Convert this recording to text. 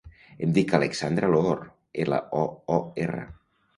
Em dic Alexandra Loor: ela, o, o, erra.